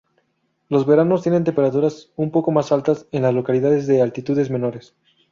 Los veranos tienen temperaturas un poco más altas en las localidades de altitudes menores.